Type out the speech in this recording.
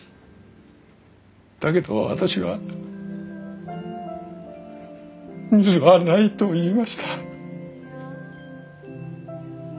だけど私は「水はない」と言いました。